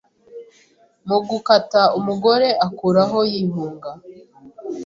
Mu gukata umugore akuraho Yihunga.